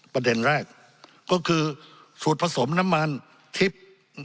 ประเด็นแรกก็คือสูตรผสมน้ำมันทิพย์